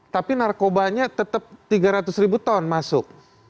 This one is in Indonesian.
tapi narkobanya tetap tiga ratus ribu ton masuk